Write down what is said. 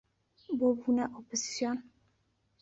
بۆ بوونە ئۆپۆزسیۆن